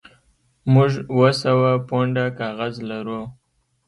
موږ اوه سوه پونډه کاغذ لرو